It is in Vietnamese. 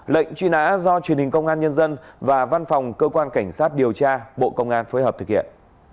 lệnh truy nã do truyền hình công an nhân dân và văn phòng cơ quan cảnh sát điều tra bộ công an phối hợp thực hiện